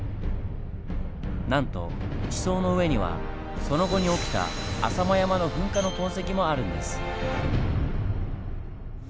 なんと地層の上にはその後に起きた浅間山の噴火の痕跡もあるんです。